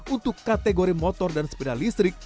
untuk kategori motor dan sepeda listrik